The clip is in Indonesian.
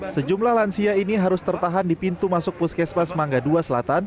sejumlah lansia ini harus tertahan di pintu masuk puskesmas mangga ii selatan